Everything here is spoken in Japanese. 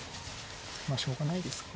まあしょうがないですか。